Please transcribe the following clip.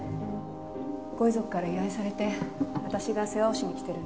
ご遺族から依頼されて私が世話をしに来てるんです。